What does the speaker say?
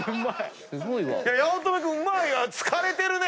八乙女君うまいわ。